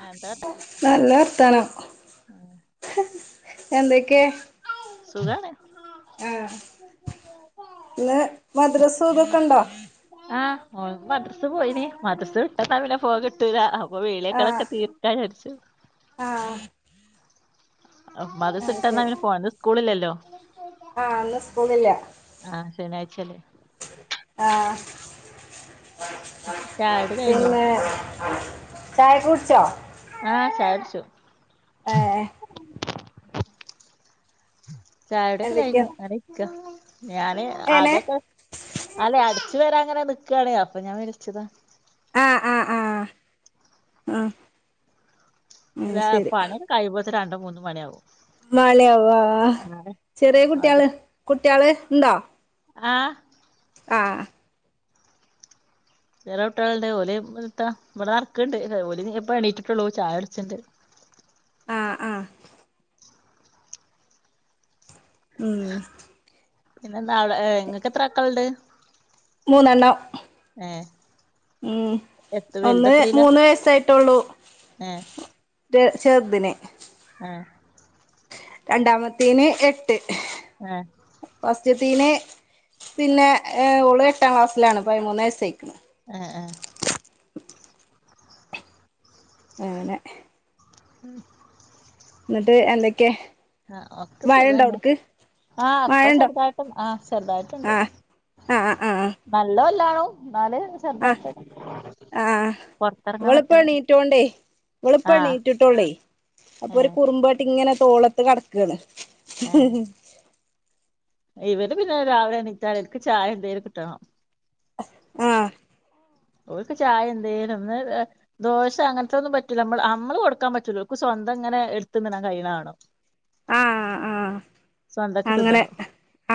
ആ എന്താ നല്ല വർത്താനം എന്തെക്കെ സുഖാണ് ഇന്ന് മദ്രസ്‌ ഇതൊക്കെണ്ടൊ ആഹ് ഓൻ മദ്രസ്സ് പോയിനീ മദ്രസ് വിട്ടാ തമിലെ പോകി ട്ടിഴ അപ്പൊ വിളേക്കള് ആഹ് ഒക്കെ തീർക്കാൻ വിചാരിച്ചു ആഹ് അഹ് ആഹ് മദ്റസ്ട്ടെന്നാ ശരി പിന്നെ ഫോന് ഇത് സ്കൂളില്ലല്ലോ. ആഹ് ഇന്ന് സ്കൂളില്ല? ആ ശനിയാഴ്ചല്ലേ ആഹ് ചായുടി കഴിഞ്ഞോ പിന്നെ ചായക്കുടിച്ചോ? ആഹ് ചായുട്ച്ചു. ഏഹ്എ ചായുടിയൊക്കെ എന്തൊക്കെയാ കഴിഞ്ഞു. അങ്ങനിരിക്ക, ഞാന് ഏനെ അകഒക്കെ അല്ലെ അടിച്ചു വരാങ്ങനെ നിക്കാണ് അപ്പൊ ഞാൻ വിള്ച്ചതാ. ആഹ് ആഹ് ആഹ് ഉം ഒരാ പണിൺ കഴിയുമ്പോത്തിന് രണ്ട് മൂന്ന് മണിയാവും. മാലയാവു ആഹ്. ആ ചെറിയ കുട്ടിയാള് കുട്ടിയാള് ഇണ്ടോ? ആഹ് ആഹ് ചെറിയ കുട്ട്യാൾണ്ട് ഓല്പ്പെൻത്താ ഇവ്ടെ നടക്ക്ണ്ട്. ഓല് ഇപ്പെണീറ്റിട്ടുള്ളൂ ചായഉടിച്ചിണ്ട്. ആഹ് ആഹ് ഉം പിന്നെന്താവ്ടെ ഇങ്ങക്കെത്ര മക്കള്ണ്ട്? മൂന്നെണ്ണം. ഏഹ് ഉം എത്ര ഒന്ന്ന് വലുതെത്രയിലാ മൂന്ന് വയസ്സായിട്ടൊള്ളൂ. ഏഹ് ൻ്റെ ചെറ്തിന്. ആഹ് രണ്ടാമത്തീന് എട്ട്. ആഹ് ഫസ്റ്റ്ത്തീന് പിന്നെ അഹ് ഓള് എട്ടാ ക്ലാസ്സിലാണ് പതിമൂന്നെയസ്സെയിക്ക്ണ്. ആഹ് ആഹ് അങ്ങനെ ഇന്നിട്ട് എന്തക്കെ? ആഹ് ഒക്കെ സുഖന്നെ. ആഹ് ഇപ്പ മഴണ്ടോ ചെറുതായിട്ട് ആഹ് ചെറുതായിട്ട്ണ്ട്. അഹ്അഹ് നല്ല പല്ലാണും ന്നാല്. ചെറ്തായിട്ടൊക്കെ പൊറ്ത്തറ്ങ്ങാൻ പ ഇപ്പെണീറ്റോണ്ടേ ഓളുപ്പ എണീറ്റിട്ടൊള്ളെ അപ്പൊരു ഏഹ് കുറുമ്പ ട്ടിങ്ങനെ തോളത്ത് കട്ക്കാണ്. ഏഹ് ഇവര് പിന്നെ രാവിലെണീറ്റാലോൽക്ക് ചായെന്തേല് കിട്ടണം. ആഹ് ഓൽക്ക് ചായെന്തേലൊന്ന് അ ദോശ അങ്ങൻത്തൊന്നും പറ്റൂല്ല അമ്മൾ അമ്മള് കൊടുക്കാൻ പറ്റൂല ഓൽക്ക് സ്വന്തങ്ങനെ ഇട്ത്ത്ന്ന്ണ കയ്യിണാവണം. ആഹ് ആഹ് സ്വന്തക്ക് അങ്ങനെ തിന്നണം.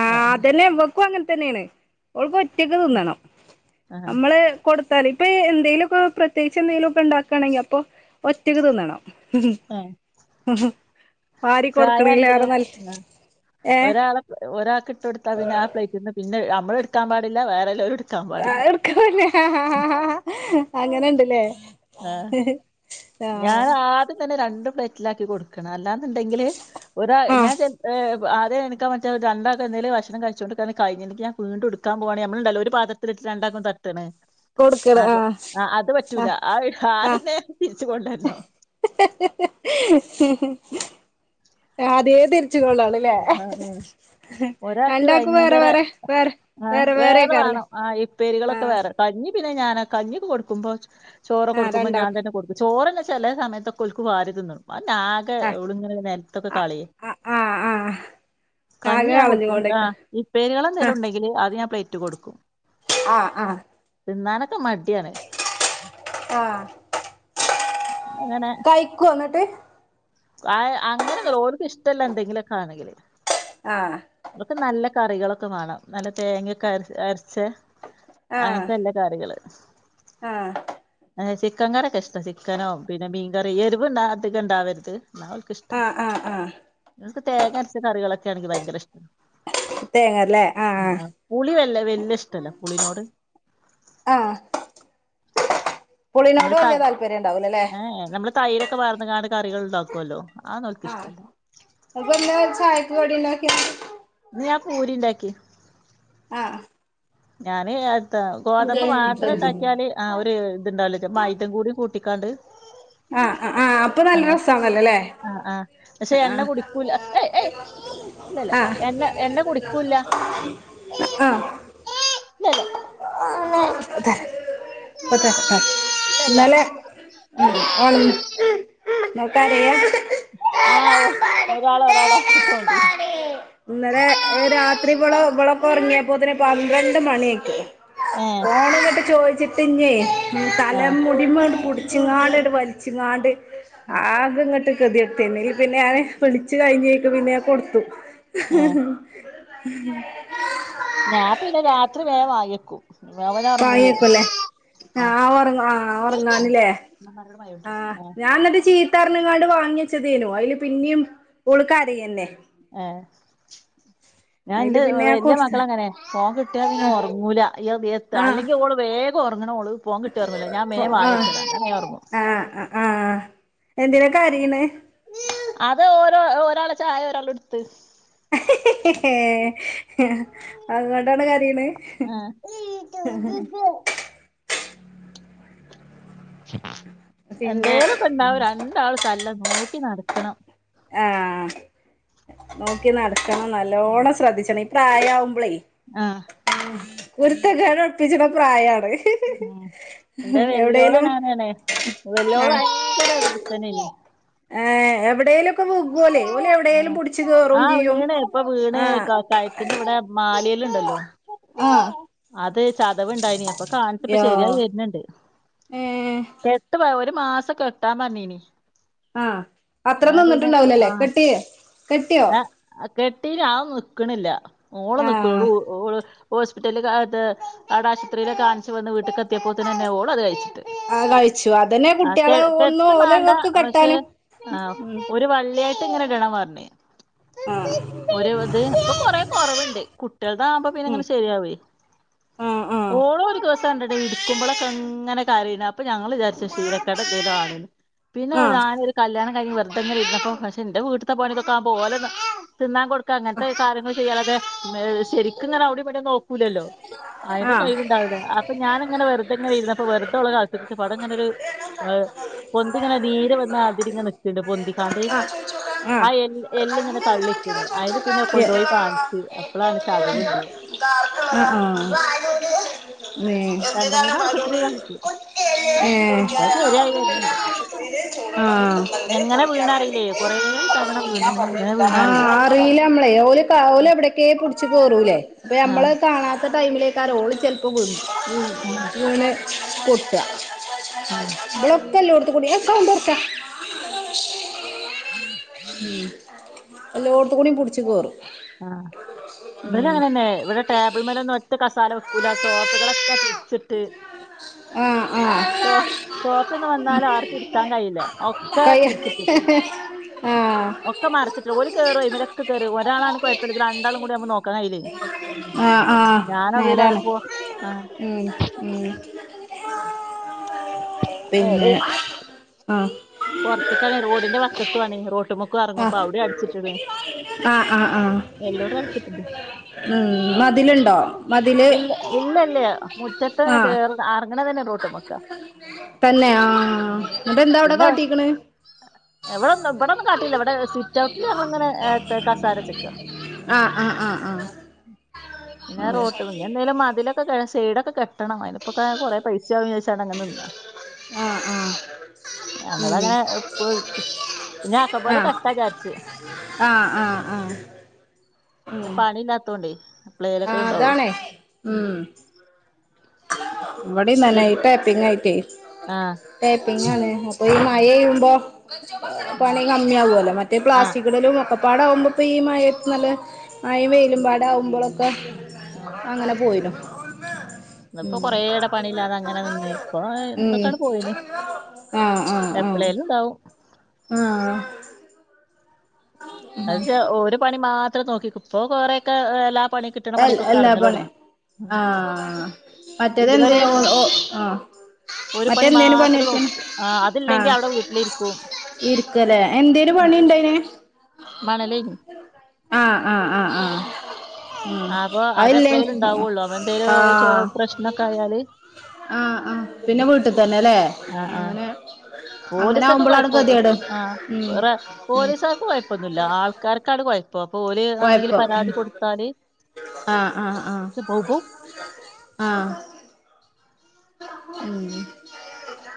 ആഹ് അതന്നെ ഇവക്കു അങ്ങൻ തന്നേണ്. ഓൾക്ക് ഒറ്റക്ക് തിന്നണം. ആഹ് നമ്മള് കൊടുത്താൽ ഇപ്പൊ എന്തേലൊക്കെ പ്രത്യേയിച്ചെന്തെങ്കിലൊക്കെ ഉണ്ടാക്കാണെങ്കി അപ്പൊ ഒറ്റക്ക് തിന്നണം. ആഹ് വാരി ചായ കൊടുക്ക്ണിലേറെ നല്ല് ഏഹ് ഒരാക്കിട്ടൊടുത്താ പിന്നെ ആ പ്ലേറ്റ്ന്ന് പിന്നെ നമ്മള്ട്ക്കാൻ പാടില്ല. വേറെല്ലോലും അങ്ങന്ണ്ട്ല്ലേ? ആഹ് ഞാനാദ്യം തന്നെ രണ്ട് പ്ലേറ്റിലാക്കി കൊട് ക്ക്ണ് അല്ലാന്ന്ണ്ടെങ്കില് ഒരാഅ് ആ ഞാൻ ചെൽ യഹ് അതെ എനിക്ക് മറ്റേ രണ്ടാൾക്കും എന്തെങ്കിലും ഭക്ഷണം കഴിച്ചോണ്ടിക്കായിരുന്നേ കഴിഞ്ഞിരുന്നെങ്കിൽ ഞാൻ വീണ്ട് എടുക്കാൻ പോവാണ മ്മളുണ്ടല്ലോ ഒരു പാത്രത്തി തിരിച്ച് രണ്ടാക്കും തട്ടണ് കൊടുക്കണം അത് ആഹ് അത് ആ പറ്റൂല അത് ആദ്യന്നെ തിരിച്ചു കൊണ്ടന്നോ അദ്യമേ തിരിച്ചു കൊണ്ടുവന്നു ഉ ഉം ഉം ഒരാൾക്ക് രണ്ടാക്കും വേറെ ഭയങ്കര വേറെ വേറെ ആഹ് വേറെ കാറല്ലേ വേണം ആഹ് ആ ഈപ്പേരികളൊക്കെ വേറെ കഞ്ഞി പിന്നെ ഞാൻ കഞ്ഞിക്ക് കൊടുക്കുമ്പോ ചോറ ആ കൊടുക്കുമ്പോ ഞാൻ രണ്ടാക്കും തന്നെ കൊടുക്കും ചോറ്ന്നാ ചെല സമയത്തൊക്കെ ഒലക്ക് വാരിതിന്നണം അ ആകെ ആ ഇബിടുങ്ങനെ നെലത്തൊക്കെ ആഹ് കളിയേ ആഹ് ആഹ് ആഹ് കഞ്ഞി ആകെ ഞാൻ കൊടുക്കും കളഞ്ഞുകൊണ്ടേക്ക ആഹ് ഇപ്പേരികളന്തെലുണ്ടെങ്കില് അത് ഞാൻ പ്ലേറ്റ് കൊടുക്കും ആഹ് ആഹ് തിന്നാനൊക്കെ മടിയാണ് ആഹ് അങ്ങനെ കയിക്കോ എന്നിട്ട് ആഹ് അങ്ങനെന്നല്ല ഓർക്ക് ഇഷ്ടല്ല എന്തെങ്കിലൊക്കെ ആണെങ്കില് ആഹ് ഇവക്ക് നല്ല കറികളൊക്കെ വേണം നല്ല തേങ്ങയൊക്കെ അരച്ച ആഹ് അങ്ങനത്തെല്ല കറികള് ആഹ് ചിക്കൻ കറിക്കെ ഇഷ്ട ചിക്കനോ പിന്നെ മീൻകറി എരിവ്ണ്ട അധിക ഉണ്ടാവരുത് എന്നാ ഇഷ്ട ആഹ് ആഹ് ആഹ് ങ്ങക്ക് തേങ്ങ അരച്ച കറികളൊക്കെ ആണെങ്കിൽ ഭയങ്കര ഇഷ്ട ആഹ് പുളി വല്ല വല്യ ഇഷ്ടല്ല പുളിനോട് ആഹ് പുളിനോട് നമ്മള് ത വലിയ താല്പര്യം ഉണ്ടാവൂലല്ലേ ഏ നമ്മള് തൈര ക്കെ വാർന്ന കാ കറികൾ ഉണ്ടാക്കുമല്ലോ ആനോക്ക് ഇഷ്ടല്ല അപ്പല്ല ചായക്ക് കടിണ്ടാക്കിയ ന്ന് ഞാൻ പൂരി ഉണ്ടാക്കി ആഹ് ഞാന് ഗോതമ്പ് മാത്രം ഉണ്ടാക്കിയാല് ആഹ് ഒരു ഇത്ണ്ടാവല്ലോ ച മൈദേ കൂടി കൂട്ടിക്കാണ്ട് ആഹ് ആഹ് അപ്പൊ നല്ല അങ്ങനെ രസ ആണല്ലോല്ലേ ആ ആ പക്ഷെ എണ്ണ ആഹ് കുടിക്കൂല ഏയ് ഏയ് ഇല്ലല്ല എണ്ണ എണ്ണ കുടിക്കൂല്ല ആഹ് ഇല്ലല്ല ആഹ് ഇപ്പത്തരാട്ടോ ഇന്നലെ ഉ [inaudible] ഉം ഉറങ്ങ് ക കരയാ ആഹ് ഒ ഒരാൾ ഒരാളെ എടുത്തോണ്ടി ഇന്നലെ രാത്രി വളൊ ഇവളൊക്കൊർങ്ങ്യേപ്പോത്തിന് പന്ത്രണ്ട് മണ്യായികി. ഏഹ് ഫോണ്ങ്ങട്ട് ചോയ്ച്ച്ട്ട്ഞ്ഞേ ഉം തല ആഹ് മുടി മങ്ങട്ട് പുട്ച്ച് ച്ച്ങ്ങാണ്ട് ങ്ങട് വലിച്ച്ങ്ങാണ്ട് ആകെങ്ങട്ട് കത്യെട്ക്കെനി അയ്ല് പിന്നെ ഞാന് വിളിച്ച് കഴിഞ്ഞേക്ക് പിന്നെ ഞാൻ കൊട്ത്തു. ആഹ് ഉം ഞാം പിന്നെ രാത്രി വേം വാങ്ങ്യെക്കും. വാങ്ങ്യെക്കുല്ലേ ആഹ് ആഹ് ഒർങ്ങ ആഹ് ഓർങ്ങാന്ല്ലേ. ആഹ് ആഹ് ന്നട്ട് ചീ ത്തർഞ്ഞ്ങ്ങാണ്ട് വാങ്ങ്യച്ചതേനു അയ്‌ല് പിന്നിം ഓള് കരയെന്നെ. ആഹ് ഞാൻ അതില് ന്റെ പിന്നെ ഞാൻ വെല്ല്യെ കൊടുത്ത് മകളങ്ങനെ ഫോൺ കിട്ട്യാ പിന്നെ ആഹ് ഒർങ്ങൂല ഏത് എ ത്താ ആഹ് അല്ലെങ്കി ഓള് വേഗൊർങ്ങ്ണോള് ഫോൺ കിട്ട്യാ ഓർങ്ങൂല്ല. ഞാൻ മേം ആഹ് വാങ്ങ്യക്കല എന്ന വേം ഒർങ്ങും. ആഹ് ആഹ് ആഹ് എന്തിനാ കരീണ്? അതോര് ഒരാളെ ചായ ഒരാള്ട്ത്ത്. അത് കൊണ്ടാണ് കരീണ്? ആഹ് പിന്നെ ഉം എന്തേലൊക്കെണ്ടാവും രണ്ടാളും തല്ല നോക്കി നടക്കണം. ആഹ് നോക്കി നടക്കണം നല്ലോണം ശ്രദ്ധിച്ചണം ഈ പ്രായാവുമ്പളെയ് ആഹ് ഉം കുര്ത്തക്കെട് ഒപ്പിച്ച്ണ പ്രായാണ്. ഉം ഇന്റെ എവിടേലും വെല്യോളെന്നങ്ങനേണേ വെല്ല്യോള് ആഹ് വയങ്കര വ് പിത്തനേനി. ഏഹ് എവ്ടെലും ആഹ് ആഹ് ചെയ്യും വീണെ ഇപ്പൊ വീണെ ആഹ് ക കയ ത്ത്ന്ന് വടെ മാലേല് ണ്ടല്ലോ ആഹ് അത് ചതവ്ണ്ടായിനി അപ്പൊ കാണിച്ചപ്പോ യോ ശെര്യായി വെര്ന്ന്ണ്ട്. ഏഹ് കെട്ട് പ ഒരു മാസം കെട്ടാം പർഞ്ഞീനി. ആഹ അത്ര നിന്ന്ട്ട്ണ്ടാവൂലല്ലേ കെട്ടിയ്യെ കെട്ട്യൊ? ആഹ് കെട്ടീണ് അതൊന്നും നിക്ക്ണ്ല്ല ഓള് നിക്കൂല [unintelligible] ആഹ് ഓള് ഓള് ഹോസ്പിറ്റൽല് കാത് ആടാ ശ്പത്രീല് കാൺച്ച് വന്ന് വീട്ട് ക്കെത്യെപ്പോത്തിനെന്നെ ഓള ത് കയ്ച്ച്ട്ട്. ആഹ് കഴിച്ചു അതെന്നെ കുട്ട്യേള് ഒന്നോല ഒക്കെ കെട്ടാനും ആഹ് ഒരു വള്ള്യായിട്ട് ങ്ങനെ ഇടണം പർഞ്ഞ്. ആഹ് ഒര്ത് ഇപ്പൊ കൊറേ കൊറവ്ണ്ട് കുട്ട്യേൾ താവുമ്പോ ഉം പിന്നെങ്ങനെ ശെര്യാവെ ആഹ് ആഹ് ഓളോരു ദിവസം ണ്ടടീ ഇട്ക്ക്മ്പോളൊക്കെങ്ങെ കരിണ് അപ്പോ ഞങ്ങള് വിചാര്ച്ച് ശീലക്കേടെന്തേല്വാണ്. പിന്നെ ഞാനൊര് കല്യാണം കഴിഞ്ഞ് വെർതെങ്ങനിര്ന്നപ്പോ പക്ഷെ ഇന്റെ വീട്ട്ത്തെ പണി തൊക്കാവുമ്പോ ഓലെ ന തിന്നാൻ കൊട് ക്ക അങ്ങൻത്തെ കാര്യങ്ങൾ ചെയ്യല്ലാതെ ഏഹ് ശെരിക്ക്ങ്ങനെ അവടി ബടിം നോക്കൂലല്ലോ. ആഹ് അയ്‌നൊന്നൊയ്വ്ണ്ടാവൂല അപ്പ ഞാനിങ്ങന വെറുതെ ങ്ങെനിര്ന്നപ്പോ വെറ്തൊളെ കഴ്ത്ത്‌ ലൊട്ടപ്പൊ അവടെങ്ങനൊര് ഏഹ് പൊന്തിങ്ങനെ നീര് വന്നാതിരിങ്ങെനെ നിക്ക്ണ്ട് പൊന്തിക്കാണ്ട്. ആഹ് ആ എൽ എല്ല് ങ്ങനെ തള്ളിക്ക്ണ്ട് അയ്‌ല് പിന്നെ കൊണ്ടോയി കാണിച്ച്. അപ്പളാണ് ചതവ്ണ്ട ർഞ്ഞ്. ഉം രണ്ട് മൂന്ന് ആശുപത്രി കാണിച്ചു ഉം ഇപ്പൊ ശരിയായി ഏഹ് വരുന്നുണ്ട് എങ്ങനെ ഏഹ് വീണറിയില്ലേ കൊറേ തവണ വീണ് എങ്ങനെ ആഹ് ആഹ് വീണറിയില്ല അറീലമ്മളെ ഓല് ക ഓല് എവിടക്കെ പിടിച്ചു കേറൂലേ അപ്പൊ ആ ഞമ്മള് കാണാത്ത ടൈമിലെക്കര ഓള് ചെലപ്പോ കൊ ഇണ് പൊട്ട ആ [unintelligible] സൗണ്ടോറച്ച ഉം അള്ളോട്ത്തുകൂടിയും പിടിച്ച് കെറും ഇവലങ്ങനെനെ ഇവിടെ ടേബിൾ മേലൊന്നും ഒച്ച മസാല വെക്കൂല സോപ്പുകളൊക്കെ ടച്ചിട്ട് ആഹ് ആഹ് സോ സോഫന്ന് വന്നാലാർക്കു ഇരിക്കാൻ കഴിയില്ല ഒക്കെ കൈ തിരിചിട്ടിട്ട ആഹ് ഒക്ക മറിച്ചിട്ട ഒലു കേറും അയ്മേലൊക്കെ കേറ ഒരാളാണെ കൊഴപ്പല്ല രണ്ടാളും കൂടി ആവുമ്പോ നോക്കാനയില്ലേ ആഹ് ആഹ് ഞാന അതുല അട നേരാണ് പോ ആഹ് ഉം ഉം പിന്നെ ആഹ് പോർത്ക്കാണെ റോഡിന്റെ വക്കത്തു ആണേ റോട്ടിമ് ആഹ് ആഹ് ആഹ് ആഹ് എല്ലോടും അടിച്ചിട്ടുണ്ട് ഉം മതിലുണ്ടോ മതില് ഇല്ല ഇല്ലല്ല മുറ്റത്തെ ആഹ് കേറ അറങ്ങണ തന്നെ റോട്ട്മക്ക തന്നെ ആഹ് എന്നിട്ട് എന്താ അവിടെ പിന്നെ കാട്ടിക്കണ് ഇവിടെ ഒന്നും ഇവിടെ ഒന്നും കാട്ടിയില്ല ഇവിടെ സിറ്റ് ഔട്ടിൽ ഞങ്ങളിങ്ങനെ ഏത്ത കസാര ചെക്കുക ആഹ് ആഹ് ആഹ് ആഹ് പിന്നെ റോട്ട് പിന്നെ എന്തേലും മതിലൊക്കെ കെ സൈടൊക്കെ കെ ട്ടണം അയ്നിപ്പൊക്കെ കൊറെ പൈസയാകും വിച്ചാര്ചാണ്ട് അങ്ങെ നിന്ന. ആഹ് ആഹ് ഞങ്ങള് ഉം അങ്ങനെ ഇപ്പോ ഇട്ത്ത്. പിന്ന ആക്ക പോലെ ആഹ് കെട്ടാചാര്ച്ച്. ആഹ് ആഹ് ആഹ് പിന്നെ ഉം പണി ഇല്ലാത്തോണ്ടെ ആഹ് അതാണേ ഉം ഇവിടം ശരി നനായി പേപ്പിങ്ങായിട്ടേ ആഹ് ടേപ്പിങ്ങാണ് അപ്പൊ ഈ മഴെയ്യുമ്പോ ആഹ് പണി കമ്മി ആവല്ലോ. മറ്റേ ആഹ് പ്ലാസ്റ്റിക്കിടലും ഒക്കപ്പാട ആകുമ്പപ്പ ഈ മഴത്ത് നല്ല മായിം വെയിലുംമ്പാട ആകുമ്പളൊക്കെ അങ്ങനെ പോയിനു. ഉം ഉം ഇപ്പൊ ഉം ഇന്നൊക്കാണ്ട് പോയിന് ആഹ് ആഹ് ആഹ് എപ്പളേലും ഉണ്ടാവും ആഹ് അന്തേച്ച ഒരു പണി മാത്രം നോക്കിക്കും. ഇപ്പൊ കൊറേയൊക്കെ എല്ലാ പണി കിട്ടണ എൽ പണിക്കൊക്കെ എല്ലാ പണി എറങ്ങലൊടങ്ങി ആഹ് മറ്റേത് ഇതുവരെ എന്തിനാ പൊന്നെ ഓ ആഹ് ഒരു പണി മറ്റെന്തേനു മാത്രം പണിയെടുത്തിന് നോക്കികും. ആഹ് അത് ഇല്ലെങ്കി ആഹ് അവിടെ വീട്ടിലിരിക്കും ഇരിക്കല്ലേ എന്തേനു പണിണ്ടായിന് മണലേനി ആഹ് ആഹ് ആഹ് ആഹ് ഉം അപ്പൊ അത് അയില്ലേ എപ്ലേലും ഇണ്ടാവൊള്ളൂ അവ ആഹ് എന്തേലും പ്രശ്നൊക്കെ ആയാല്. ആഹ് ആഹ് പിന്നെ വീട്ട് തന്നെല്ലേ ആഹ് ആഹ് അങ്ങനെ അങ്ങനെ പോലീസൊക്കെ ആവുമ്പോളാണ് കൊഴപ്പ ഗതികേട് ആഹ് ഉം വറെ ഉം പോലീസാർക്ക് കൊഴപ്പൊന്നുല്ല ആൾക്കാർക്കാണ് കൊഴ പ്പോപ്പോല് എന്തെങ്കിലു കൊഴപ്പം ഉം പരാതി കൊടുത്താല് ആഹ് ആഹ് ആഹ് ബൗ ബൗ. ആഹ് ഉം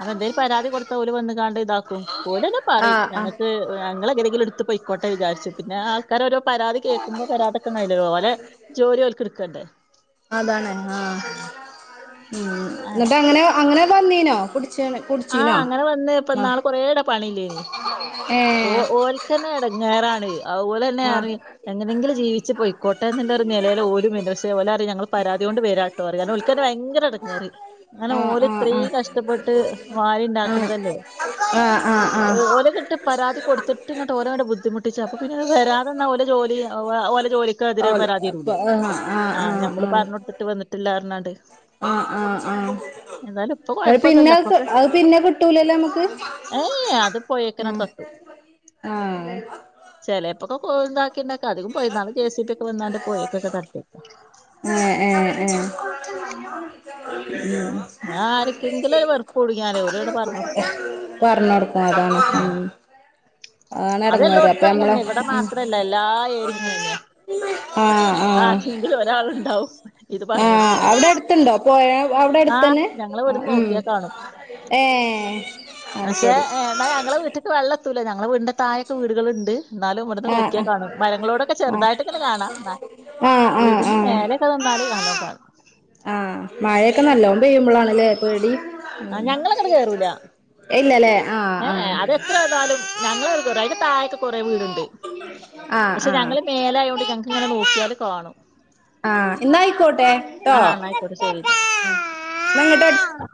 അപ്പ എന്തേലും പരാതി കൊടുത്ത ഓല് വന്ന് കാണ്ട് ഇതാക്കും ഓലെന്നെ പറിം ആഹ് ആഹ് ഞങ്ങക്ക് ഞങ്ങള് എങ്ങനെങ്കിലും ഇട്ത്ത് പൊയിക്കോട്ടെ വിചാര്ച്ചും പിന്നെ ആഹ് ക്കാരോരോ പരാതി കേൾക്കുമ്പൊ വരാതെക്കാം കഴിയൂലല്ലൊ ഓലെ ജോലി ഓൽക്ക് ഇട്ക്കണ്ടെ അതാണ് ആഹ് ഉം ഇന്നട്ട് അങ്ങനൊക്കെ അങ്ങനെ അങ്ങനെ വന്നീനോ കുട്ച്ചാണ്ട് ആഹ് അങ്ങനെ വന്ന് ഇപ്പ ന്നാള് കൊറേ എട പണില്ലേനി ഓ ഏഹ് ഓൽ തന്നെ എടങ്ങേറാണെ അത് പോലെന്നെ ആഹ് അറിം എങ്ങനെങ്കിലും ജീവിച്ച് പോയിക്കോട്ടെ ന്ന്ള്ളോരു നെലേല് ഓലും വേര്നെ പക്ഷെ ഓലറിം ഞങ്ങള് പരാതിയോണ്ട് വെരാണ് [unintelligible] ഓൽക്കെന്നെ ഭയങ്കര എടങ്ങേറ് അങ്ങനെ ഓല് ആഹ് ഇത്രി ആഹ് കഷ്ടപ്പെട്ട് വാരി ഇണ്ടാക്ക്ണതല്ലേ ആഹ് ആഹ് ആഹ് ആഹ് ആഹ് ഓര് കിട്ട് പരാതി കൊടുത്ത് ഇങ്ങട്ട് ഓരോ ബുദ്ധി മുട്ടിച്ചപ്പെ പിന്നെത് വരാതെന്നാ ഓലെ ജോലി ഓലെ ജോലിക്ക് എതിരെ പരാതി തരൂലേ ആഹ് ഞമ്മള് പർഞ്ഞൊട്ത്ത്ട്ട് വന്നിട്ടില്ല പർഞ്ഞാണ്ട് ആഹ് ആഹ് ആഹ് ഇപ്പൊ അത് പിന്നെ കൊഴപ്പൊന്നുല്ല. അത് പിന്നെ കിട്ടൂലല്ലോ നമ്മക്ക് ഏഹ് ഏഹ് അത് പൊയേക്കെന്നെ തട്ടും ആഹ് ചെലേപ്പൊക്കെ കൊ [unintelligible] അധികം പോയിന്നാണ് ജെസിബി ഒക്കെ വന്നാണ്ട് പോയൊക്കെക്കെ തട്ട്യേക്ക എഹ് എഹ് എഹ് ഉം ആർക്കെങ്കിലും ഒരു വെറുപ്പുട്ങ്ങ്യാലേ ഓലണ്ട് പർഞ്ഞോടുക്കും പർഞ്ഞൊട്ക്കും അതാണ് ഉം അതാണ് എടങ്ങേറ് അപ്പൊ അതെല്ലോട്ത്തും നമ്മള് അങ്ങനെന്നെ ഇവടെ ഉം മാത്രല്ല എല്ലാ ഏര്യലും [unintelligible] ആഹ് ആഹ് ആരെങ്കിലും ഒരാള്ണ്ടാവും ഇത് പർഞ്ഞ് ആഹ് കൊട്ക്കാന് അവിടെ അടുത്തുണ്ടോ പോയ അവിടെ ആഹ് അടുത്തന്നെ ഞങ്ങളെ ആഹ് ഇവട്ന്ന് ഉം നോക്ക്യാ കാണും ഏഹ് അത് പക്ഷേ ശരി എന്നാ ഞങ്ങളെ വീട്ട് വെള്ളതുല്ല ഞങ്ങളെ വിട്ന്റെ തായൊക്കെ വീട്കള്ണ്ട് ഇന്നാലും ഇവട്ന്ന് ആഹ് നോക്ക്യാ ആഹ് കാണും മരങ്ങളോടൊക്കെ ആഹ് ചെറുതായിട്ട്ങ്ങനെ കാണാ ന്നാ ആഹ് ആഹ് വീട്ന്റെ ആഹ് മേലേക്കെ നിന്നാല് നല്ലോം കാണ ആഹ് മഴക്കെ നല്ലോം പെയ്യുമ്പളാണ് ല്ലേ പേടി ആ ഉം ഞങ്ങളങ്ങനെ കേറൂല ഇല്ലല്ലേ ആഹ് ആഹ് [unintelligible] അയിന്റെ താഴെക്കെ കോറെ വീട്ണ്ട് ആഹ് പക്ഷെ ആഹ് ഞങ്ങള് മേലായോണ്ട് ഞങ്ങക്ക് ഇങ്ങനെ നോക്കിയാല് കാണും ആഹ് ഇന്നാ അയ്ക്കോട്ടെ ട്ടോ ആ എന്നായിക്കോട്ടെ ശരിട്ടാ ആഹ് ഇന്നാ ഇങ്ങട്ട് അടിച്ച് ആ